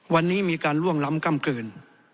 วันนี้มีการล่วงล้ำกล้ำกลืน